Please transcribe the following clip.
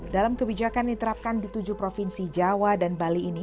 dalam kebijakan diterapkan di tujuh provinsi jawa dan bali ini